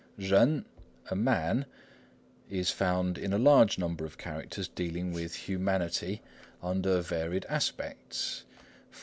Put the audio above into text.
人 jen "a man" is found in a large number of characters dealing with humanity under varied aspects; _e.